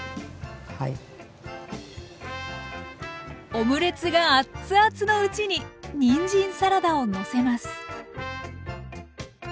オムレツが熱々のうちににんじんサラダをのせます。